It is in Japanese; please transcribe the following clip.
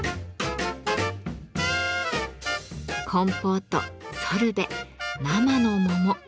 コンポートソルベ生の桃。